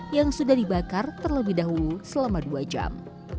yang sudah dibakar terlebih dahulu selama dua jam